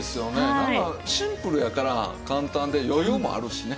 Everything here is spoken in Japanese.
なんかシンプルやから簡単で余裕もあるしね。